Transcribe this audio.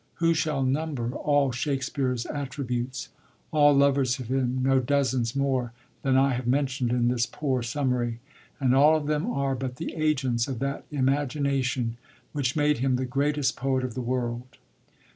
Who shall number all Shakspere's attributes ? All lovers of him know dozens more than I have mentiond in this poor summary ; and all of them are but the agents of that imagination which made him the greatest poet of the world.